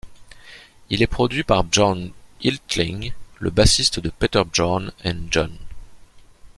Il est produit par Björn Yttling, le bassiste de Peter Bjorn and John.